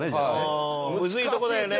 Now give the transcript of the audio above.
むずいとこだよね。